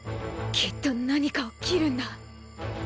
きっと何かを斬るんだ